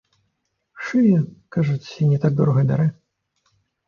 Шые, кажуць, і не так дорага бярэ.